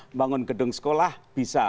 membangun gedung sekolah bisa